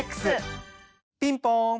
ピンポン。